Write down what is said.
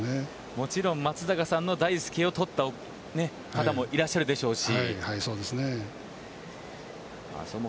もちろん松坂さんの大輔を取った方もいらっしゃるでしょうし。